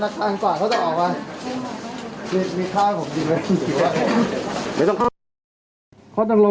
สวัสดีครับสวัสดีครับสวัสดีครับ